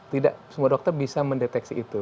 tidak semua dokter bisa mendeteksi itu